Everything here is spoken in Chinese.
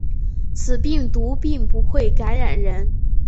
此病毒并不会感染人。